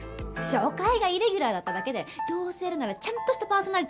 初回がイレギュラーだっただけでどうせやるならちゃんとしたパーソナリティーやりたいのよ